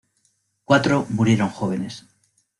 Cuatro murieron jóvenes.